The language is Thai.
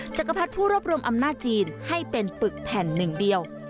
จักรพรรดิผู้รวบรวมอำนาจจีนให้เป็นปึกแผ่นหนึ่งเดียว